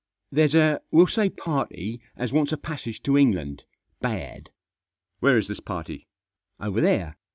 " There's a — we'll say party, as wants a passage to England, bad." "Where is this party?" "Over there."